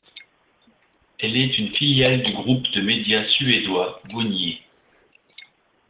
Elle est une filiale du groupe de médias suédois Bonnier.